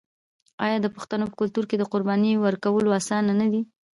آیا د پښتنو په کلتور کې د قربانۍ ورکول اسانه نه دي؟